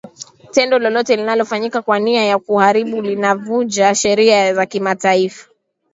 tendo lolote linalofanyika kwa nia ya kuharibu linavunja sheria za kimataifa